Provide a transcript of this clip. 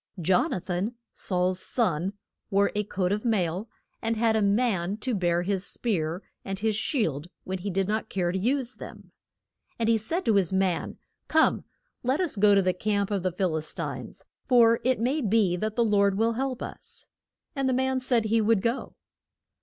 Jon a than, Saul's son, wore a coat of mail, and had a man to bear his spear and his shield when he did not care to use them. And he said to his man, Come, let us go to the camp of the Phil is tines. For it may be that the Lord will help us. And the man said he would go.